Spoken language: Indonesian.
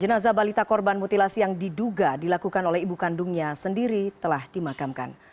jenazah balita korban mutilasi yang diduga dilakukan oleh ibu kandungnya sendiri telah dimakamkan